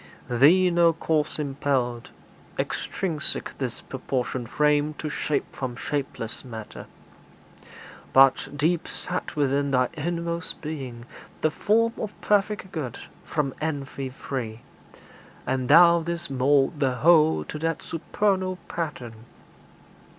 Thee no cause impelled Extrinsic this proportioned frame to shape From shapeless matter; but, deep set within Thy inmost being, the form of perfect good, From envy free; and Thou didst mould the whole To that supernal pattern.